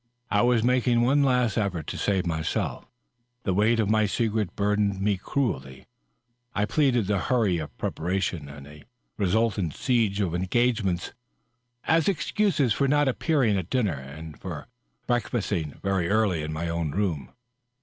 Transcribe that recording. I was making one last effort to save myself; the weight of my secret burdened me cruelly. I pleaded the hurry of preparation and a resultant si^ of engagements as excuses for not appearing at dinner and for break &sting very early in my own room.